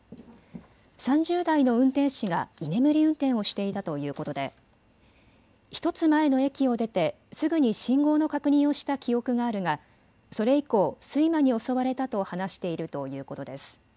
３０代の運転士が居眠り運転をしていたということで１つ前の駅を出てすぐに信号の確認をした記憶があるがそれ以降、睡魔に襲われたと話しているということです。